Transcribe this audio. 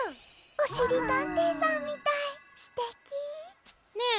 おしりたんていさんみたいすてき。ねえ